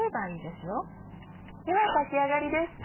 では炊き上がりです。